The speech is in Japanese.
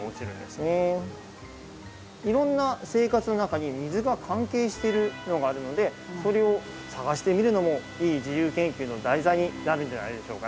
いろんな生活の中に水が関係しているのがあるのでそれを探してみるのもいい自由研究の題材になるんじゃないでしょうかね。